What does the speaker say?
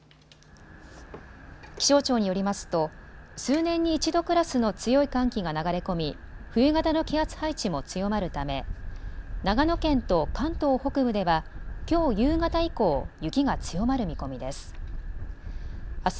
気象庁によりますと数年に一度クラスの強い寒気が流れ込み、冬型の気圧配置も強まるため長野県と関東北部ではきょう夕方以降、雪が強まる見込みです。